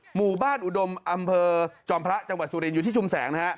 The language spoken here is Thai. หมู่บ้านอุดมอำเภอจอมพระจังหวัดสุรินอยู่ที่ชุมแสงนะฮะ